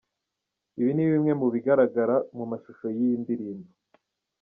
Ibi ni bimwe mu bigaragaraga mu mashusho y’iyi ndirimbo.